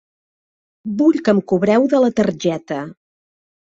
Vull que em cobreu de la targeta.